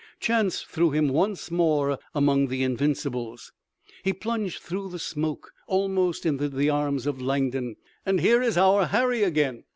Chance threw him once more among the Invincibles. He plunged through the smoke almost into the arms of Langdon. "And here is our Harry again!"